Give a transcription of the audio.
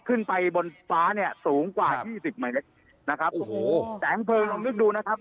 ขึ้นไปบนฟ้าเนี้ยสูงกว่านะครับโอ้โหแสงเพลิงลองลึกดูนะครับ